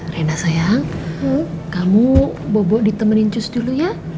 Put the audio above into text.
rena sayang kamu bobo ditemenin cus dulu ya